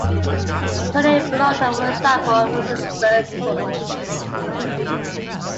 Tony Bellotto, for example, wrote his first book.